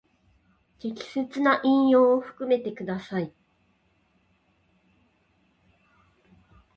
適切な引用を含めてください。